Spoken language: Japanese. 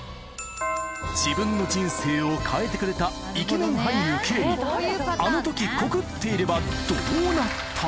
自分の人生を変えてくれたイケメン俳優Ｋに、あのとき告っていればどうなった？！